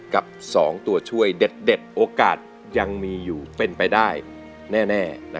กับ๒ตัวช่วยเด็ดโอกาสยังมีอยู่เป็นไปได้แน่